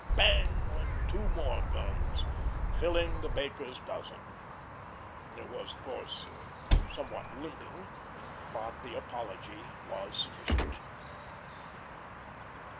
bang! went two more guns, filling the baker's dozen. It was, of course, somewhat limping, but the apology was sufficient.